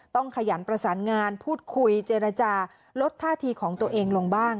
ขยันประสานงานพูดคุยเจรจาลดท่าทีของตัวเองลงบ้าง